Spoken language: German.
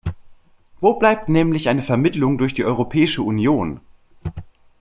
Wo bleibt nämlich eine Vermittlung durch die Europäische Union?